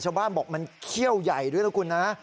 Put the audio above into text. ชาวบ้านบอกมันเขี้ยวใหญ่ด้วยนะคุณนะ